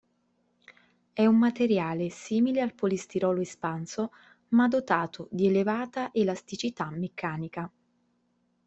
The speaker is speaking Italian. È un materiale simile al polistirolo espanso, ma dotato di elevata elasticità meccanica.